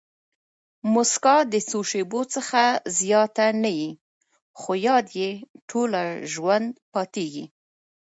مسکا د څو شېبو څخه زیاته نه يي؛ خو یاد ئې ټوله ژوند پاتېږي.